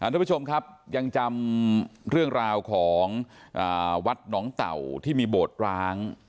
ทุกผู้ชมครับยังจำเรื่องราวของวัดหนองเต่าที่มีโบสถ์ร้าง